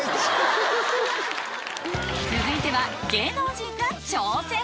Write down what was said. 続いては芸能人が挑戦